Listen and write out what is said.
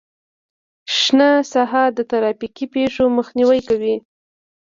شنه ساحه د ترافیکي پیښو مخنیوی کوي